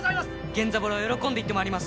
源三郎喜んで行ってまいります。